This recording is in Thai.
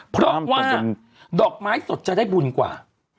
เพราะว่าดอกไม้สดจะได้บุญกว่า